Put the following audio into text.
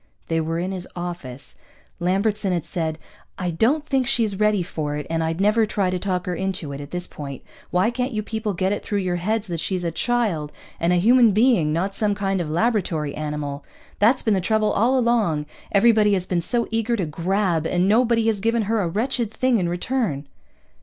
They were in his office. Lambertson had said, "I don't think she's ready for it, and I'd never try to talk her into it, at this point. Why can't you people get it through your heads that she's a child, and a human being, not some kind of laboratory animal? That's been the trouble all along. Everybody has been so eager to grab, and nobody has given her a wretched thing in return."